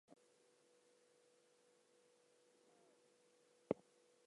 The complex was named after Frank Eyman who was a Warden at Florence.